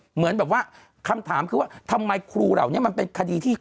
เหมือนแบบว่าคำถามคือว่าทำไมครูเหล่านี้มันเป็นคดีที่